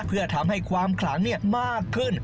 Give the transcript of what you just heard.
เพื่อทำให้ความขลังมากขึ้น